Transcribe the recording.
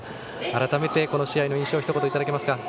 改めて、この試合の印象をひと言いただけますか？